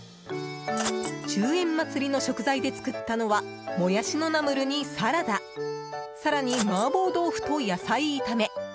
１０円まつりの食材で作ったのはモヤシのナムルにサラダ更に、麻婆豆腐と野菜炒め。